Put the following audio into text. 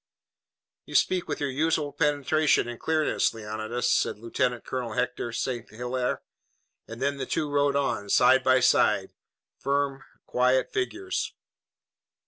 "You speak with your usual penetration and clearness, Leonidas," said Lieutenant Colonel Hector St. Hilaire, and then the two rode on, side by side, firm, quiet figures.